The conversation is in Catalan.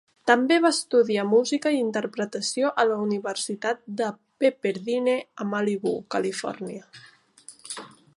També va estudiar música i interpretació a la universitat de Pepperdine a Malibú, Califòrnia.